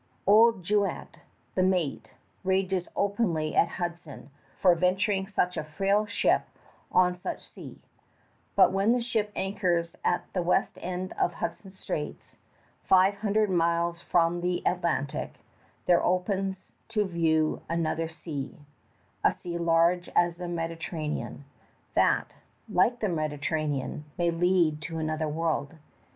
Old Juett, the mate, rages openly at Hudson for venturing such a frail ship on such a sea; but when the ship anchors at the west end of Hudson Straits, five hundred miles from the Atlantic, there opens to view another sea, a sea large as the Mediterranean, that, like the Mediterranean, may lead to another world.